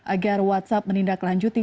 agar whatsapp menindaklanjuti